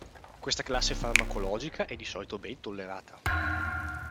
Questa classe farmacologia è di solito ben tollerata.